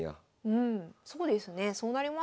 うんそうですねそうなりますね。